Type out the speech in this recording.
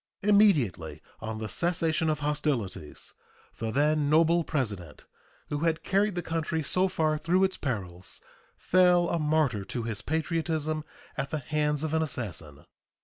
Immediately on the cessation of hostilities the then noble President, who had carried the country so far through its perils, fell a martyr to his patriotism at the hands of an assassin.